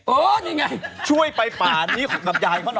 เออนี่ไงช่วยไปป่านี้กับยายเขาหน่อย